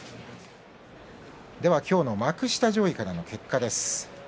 今日の幕下上位からの結果です。